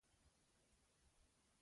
په دنيا کې بدي نشته که بدي نه وي له تا